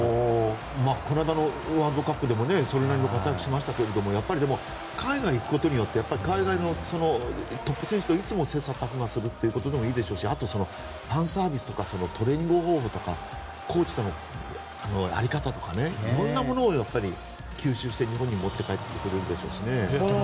この間のワールドカップでもそれなりの活躍をしてましたけどやっぱり海外に行くことによって海外のトップ選手といつも切磋琢磨するということでいいでしょうしあと、ファンサービスとかトレーニング方法とかコーチのやり方とかいろんなものを吸収して日本に持って帰ってくるんでしょうしね。